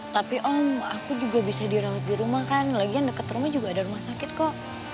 tapi om aku juga bisa dirawat di rumah kan lagian dekat rumah juga ada rumah sakit kok